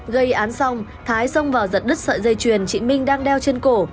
gây án xong thái xông vào giật đứt sợi dây chuyền trị minh đang đeo trên cổ